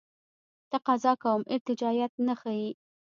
تقاضا کوم ارتجاعیت نه ښیي.